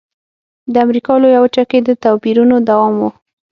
د امریکا لویه وچه کې د توپیرونو دوام و.